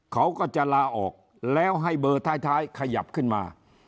เขาก็จะลาออกแล้วให้เบอร์ท้ายขยับขึ้นมา